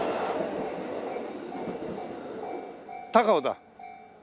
高尾だ。